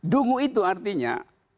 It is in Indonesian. dungu itu artinya